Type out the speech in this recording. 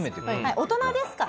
大人ですから。